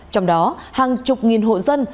trong đó hàng chục nghìn hộ dân